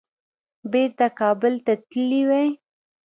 بیرته کابل ته تللي وای.